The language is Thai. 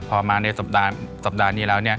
พอมาในสัปดาห์นี้แล้ว